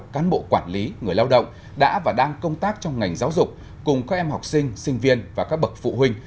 cán bộ quản lý người lao động đã và đang công tác trong ngành giáo dục cùng các em học sinh sinh viên và các bậc phụ huynh